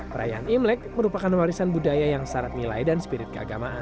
perayaan imlek merupakan warisan budaya yang syarat nilai dan spirit keagamaan